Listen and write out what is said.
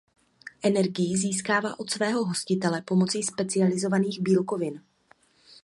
Energii získává od svého hostitele pomocí specializovaných bílkovin.